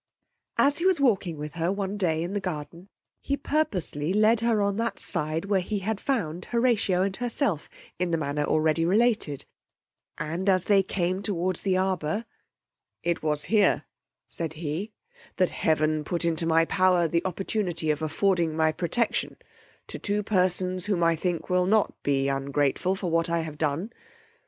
As he was walking with her one day in the garden, he purposely led her on that side where he had found Horatio and herself in the manner already related; and as they came towards the arbour, It was here, said he, that heaven put into my power the opportunity of affording my protection to two persons whom I think will not be ungrateful for what I have done.